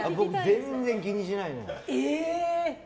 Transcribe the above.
全然気にしないの。